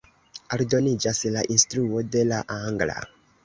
Aldoniĝas la instruo de la angla.